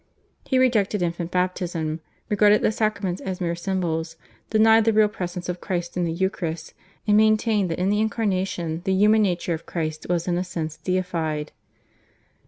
He rejected infant baptism, regarded the sacraments as mere symbols, denied the Real Presence of Christ in the Eucharist, and maintained that in the Incarnation the human nature of Christ was in a sense deified.